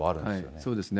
そうですね。